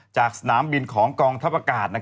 จากสนามบินของกองทัพอากาศ